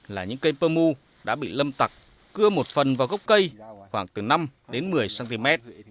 là những cây pơ mu đã bị lâm tặc cưa một phần vào gốc cây khoảng từ năm đến một mươi cm